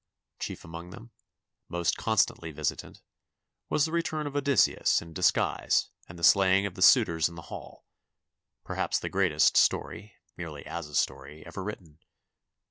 Chief among them, most constantly visitant, was the return of Odysseus in dis guise and the slaying of the suitors in the hall, perhaps the greatest stoiy, merely as a story, ever written.